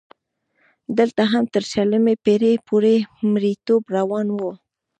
دلته هم تر شلمې پېړۍ پورې مریتوب روان و.